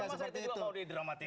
kalau mas yati juga mau didramatisi